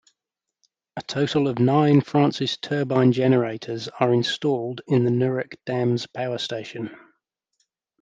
A total of nine Francis turbine-generators are installed in the Nurek Dam's power station.